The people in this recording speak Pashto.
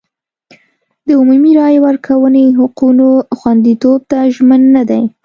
د عمومي رایې ورکونې حقونو خوندیتوب ته ژمن نه دی.